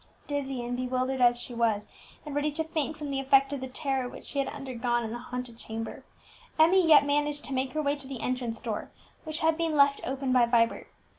Dizzy and bewildered as she was, and ready to faint from the effect of the terror which she had undergone in the haunted chamber, Emmie yet managed to make her way to the entrance door, which had been left open by Vibert.